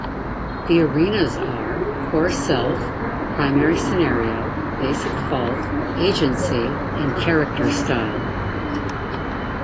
The Arenas are: Core Self, Primary Scenario, Basic Fault, Agency and Character Style.